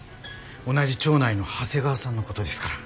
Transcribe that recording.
同じ町内の長谷川さんのことですから。